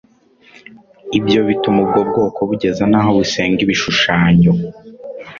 ibyo bituma ubwo bwoko bugeza naho busenga ibishushanyo.